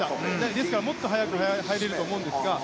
ですからもっと速く入れると思いますが。